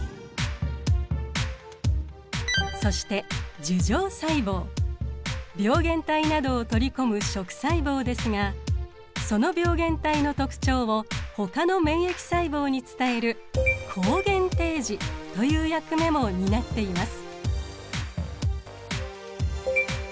そして病原体などを取り込む食細胞ですがその病原体の特徴をほかの免疫細胞に伝える抗原提示という役目も担っています。